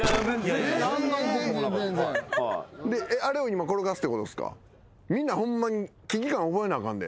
あれを今転がすってことっすか？